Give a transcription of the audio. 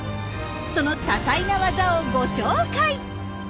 その多彩な技をご紹介！